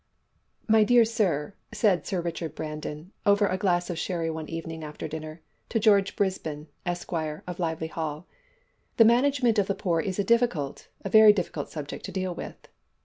"My dear sir," said Sir Richard Brandon, over a glass of sherry one evening after dinner, to George Brisbane, Esquire of Lively Hall, "the management of the poor is a difficult, a very difficult subject to deal with."